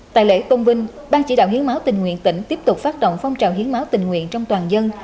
tại lễ tôn vinh ban chỉ đạo hiến máu tình nguyện tỉnh tiếp tục phát động phong trào hiến máu tình nguyện trong toàn dân